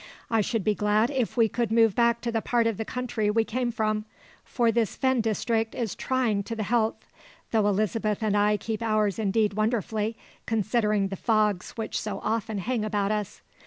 I should be glad if we could move back to the part of the country we came from, for this fen district is trying to the health, though Elizabeth and I keep ours indeed wonderfully, considering the fogs which so often hang about us.